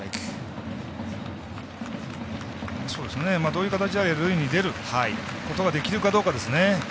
どういう形であれ塁に出ることができるかどうかですね。